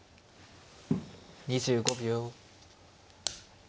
２５秒。